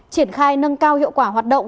triển khai nâng cao hiệu quả hoạt động